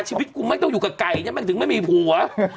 ชีวิตกูไม่ต้องอยู่กับไก่เนี่ยมันถึงไม่มีผัว